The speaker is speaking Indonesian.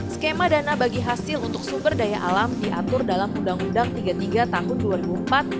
skema dana bagi hasil untuk sumber daya alam diatur dalam undang undang tiga puluh tiga tahun dua ribu empat